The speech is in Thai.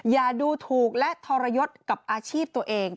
อย่าดูถูกและทรยศกับอาชีพตัวเอง